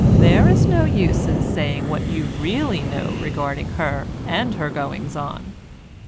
There is no use in saying what you really know regarding her and her goings on.